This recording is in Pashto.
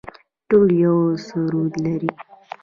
ټول یو سرود لري